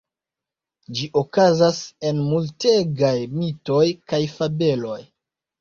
Ĝi okazas en multegaj mitoj kaj fabeloj.